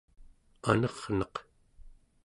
anerneq